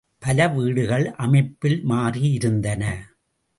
பல வீடுகள், அமைப்பில் மாறியிருந்தன.